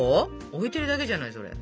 置いているだけじゃないそれ。